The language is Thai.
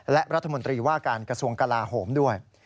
และรัฐมนตรีว่าการกระทรวงกลาโหมด้วย